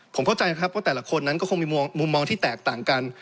ผมเข้าใจครับว่าแต่ละคนนั้นก็คงมีมุมมองที่แตกต่างกัน